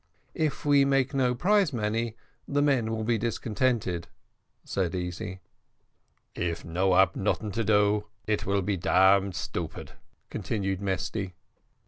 "If we make no prize money the men will be discontented," said Easy. "If no ab noting to do it will be damned 'tupid," continued Mesty.